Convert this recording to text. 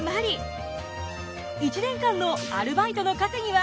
１年間のアルバイトの稼ぎは？